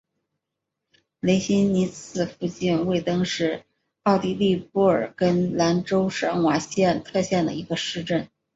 雷希尼茨附近魏登是奥地利布尔根兰州上瓦特县的一个市镇。